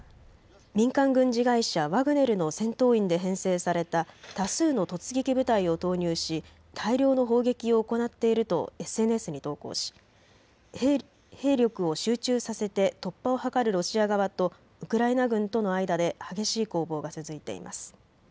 民間軍事会社、ワグネルの戦闘員で編成された多数の突撃部隊を投入し大量の砲撃を行っているとＳＮＳに投稿し兵力を集中させて突破を図るロシア側とウクライナ軍との間で激しい攻防が続いています。